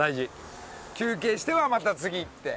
休憩してはまた次行って。